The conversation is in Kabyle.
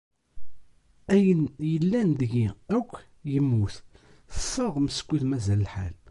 Ayen yellan deg-i akk yemmut, ffeɣ meskud mazal lḥal.